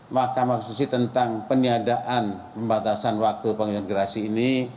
mahkamah konstitusi tentang peniadaan membatasan waktu pengajuan gerasi ini